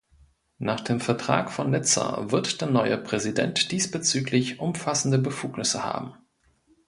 Nach dem Vertrag von Nizza wird der neue Präsident diesbezüglich umfassende Befugnisse haben.